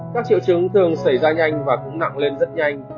các triệu chứng thường xảy ra nhanh và cũng nặng lên rất nhanh